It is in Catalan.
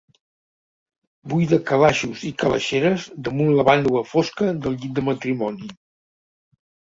Buida calaixos i calaixeres damunt la vànova fosca del llit de matrimoni.